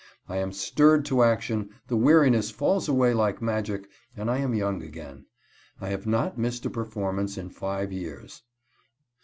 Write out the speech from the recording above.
I am stirred to action, the weariness falls away like magic, and I am young again. I have not missed a performance in five years.